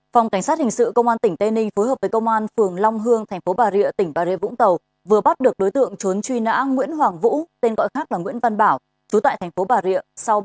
phòng cảnh sát hình sự công an tỉnh tê ninh phối hợp với công an phường long hương tp bà rịa tỉnh bà rịa vũng tàu vừa bắt được đối tượng trốn truy nã nguyễn hoàng vũ tên gọi khác là nguyễn văn bảo chú tại tp bà rịa